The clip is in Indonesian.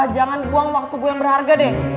jangan buang waktu gue yang berharga deh